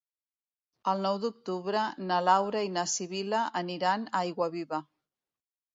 El nou d'octubre na Laura i na Sibil·la aniran a Aiguaviva.